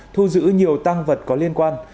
thu giữ nhiều tăng vật có liên quan